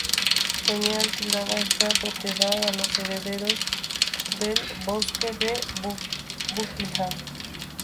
Tenía alquilada esta propiedad a los herederos del duque de Buckingham.